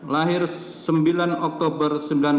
lahir sembilan oktober seribu sembilan ratus delapan puluh delapan